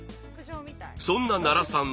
そんな奈良さん